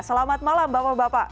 selamat malam bapak bapak